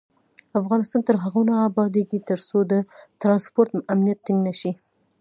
افغانستان تر هغو نه ابادیږي، ترڅو د ترانسپورت امنیت ټینګ نشي.